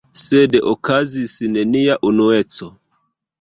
Sed okazis nenia unueco.